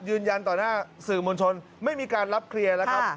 ยืนยันต่อหน้าสื่อมวลชนไม่มีการรับเคลียร์แล้วครับ